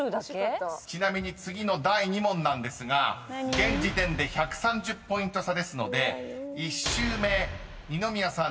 ［ちなみに次の第２問なんですが現時点で１３０ポイント差ですので１周目二宮さん